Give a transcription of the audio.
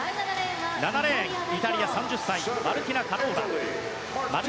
７レーンイタリアの３０歳マルティナ・カラーロ。